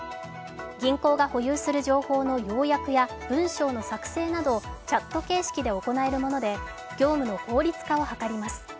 銀行が保有する情報の要約や文章の作成などをチャット形式で行えるもので、業務の効率化を図ります。